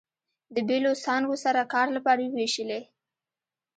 د بېلو څانګو سره کار لپاره ووېشلې.